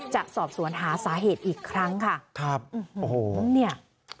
จะสอบสวนหาสาเหตุอีกครั้งค่ะครับโอ้โหเนี่ย